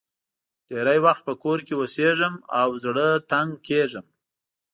ډېری وخت په کور کې اوسېږم او زړه تنګ کېږم.